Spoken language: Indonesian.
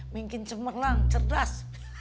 mungkin cemerlang cerdas